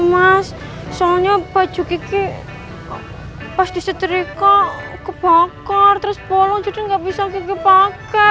mas soalnya baju kiki pas disetrika kebakar terus polong jadi nggak bisa gigi pakai